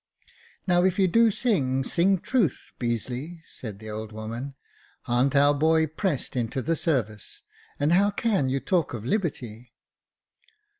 *' Now, if you do sing, sing truth, Beazeley," said the old woman. " A'n't our boy pressed into the service ? And how can you talk of liberty